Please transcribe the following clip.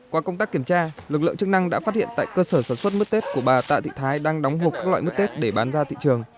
qua công tác kiểm tra lực lượng chức năng đã phát hiện tại cơ sở sản xuất mứt tết của bà tạ thị thái đang đóng hộp các loại mứt tết để bán ra thị trường